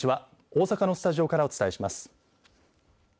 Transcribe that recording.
大阪のスタジオからお伝えします。